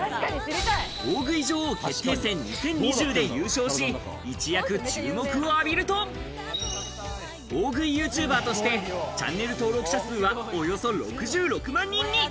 大食い女王決定戦２０２０で優勝し、一躍注目を浴びると、大食いＹｏｕＴｕｂｅｒとしてチャンネル登録者数はおよそ６６万人に。